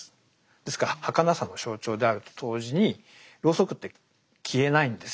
ですからはかなさの象徴であると同時にロウソクって消えないんですよね。